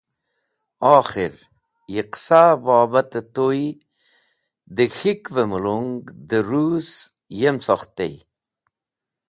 Okhir, yi qẽsa bobat-e tuy dẽ K̃hik’v-e mulung dẽ Rũs yem sokht tey.